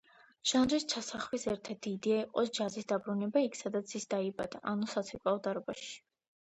ჟანრის ჩასახვის ერთ-ერთი იდეა იყო ჯაზის დაბრუნება იქ სადაც ის დაიბადა, ანუ საცეკვაო დარბაზში.